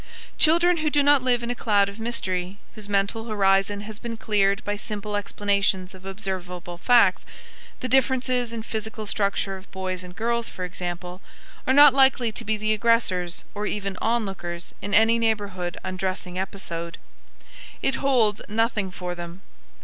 Children who do not live in a cloud of mystery, whose mental horizon has been cleared by simple explanations of observable facts the differences in physical structure of boys and girls, for example are not likely to be the aggressors or even onlookers in any neighborhood undressing episode. It holds nothing for them.